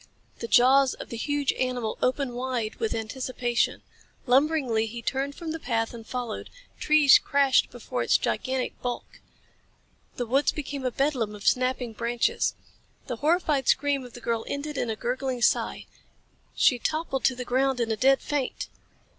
The jaws of the huge animal opened wide with anticipation. Lumberingly he turned from the path and followed. Trees crashed before its gigantic bulk. The woods became a bedlam of snapping branches. The horrified scream of the girl ended in a gurgling sigh. She toppled to the ground in a dead faint.